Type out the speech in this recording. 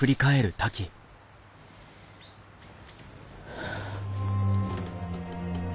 はあ。